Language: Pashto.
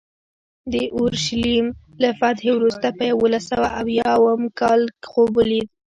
د اورشلیم له فتحې وروسته په یوولس سوه اویا اووم کال خوب ولید.